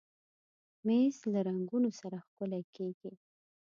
مېز له رنګونو سره ښکلی کېږي.